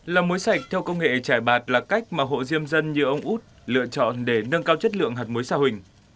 làm mối sạch theo công nghệ chải bạc là cách mà hộ diêm dân như ông út lựa chọn để nâng cao chất lượng hạt mối sa huỳnh